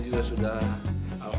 terima kasih pak abang